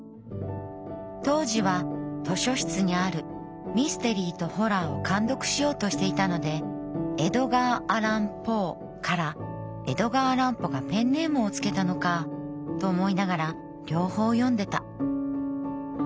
当時は図書室にあるミステリーとホラーを完読しようとしていたのでエドガー・アラン・ポーから江戸川乱歩がペンネームを付けたのかと思いながら両方読んでた」。